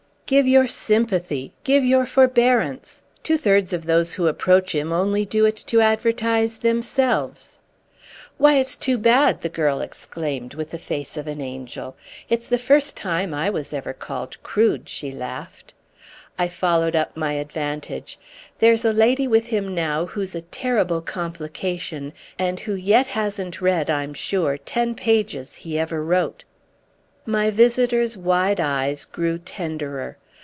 "Give your sympathy—give your forbearance. Two thirds of those who approach him only do it to advertise themselves." "Why it's too bad!" the girl exclaimed with the face of an angel. "It's the first time I was ever called crude!" she laughed. I followed up my advantage. "There's a lady with him now who's a terrible complication, and who yet hasn't read, I'm sure, ten pages he ever wrote." My visitor's wide eyes grew tenderer.